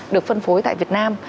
được phân phối tại việt nam